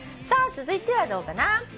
さあ続いてはどうかな。